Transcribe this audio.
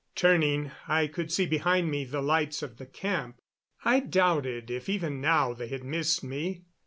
Turning, I could see behind me the lights of the camp. I doubted if even now they had missed me.